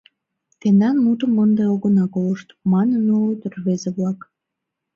Тендан мутым ынде огына колышт, — манын улыт рвезе-влак.